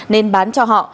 nên bán cho họ